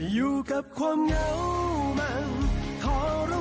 อยู่กับความเหงามันทรมานยิ่งเคียงถึงหน้าเธอ